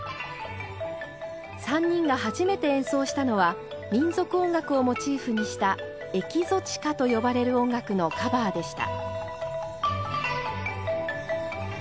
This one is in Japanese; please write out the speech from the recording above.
３人が初めて演奏したのは民族音楽をモチーフにしたエキゾチカと呼ばれる音楽のカバーでした。